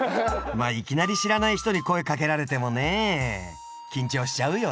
まあいきなり知らない人に声かけられてもねえ緊張しちゃうよね